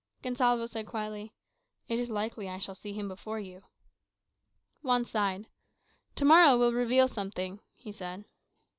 Gonsalvo said quietly, "It is likely I shall see him before you." Juan sighed. "To morrow will reveal something," he said.